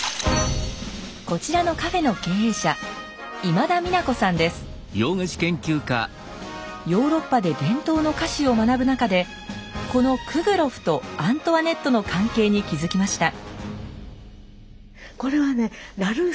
こちらのカフェの経営者ヨーロッパで伝統の菓子を学ぶ中でこのクグロフとアントワネットの関係に気付きました。